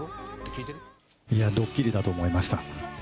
いや、ドッキリだと思いました。